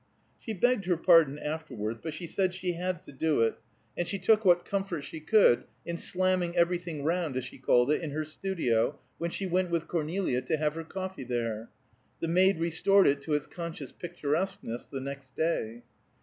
She begged her pardon afterwards, but she said she had to do it, and she took what comfort she could in slamming everything round, as she called it, in her studio, when she went with Cornelia to have her coffee there. The maid restored it to its conscious picturesqueness the next day.